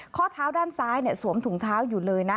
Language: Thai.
ข้อเท้าด้านซ้ายสวมถุงเท้าอยู่เลยนะ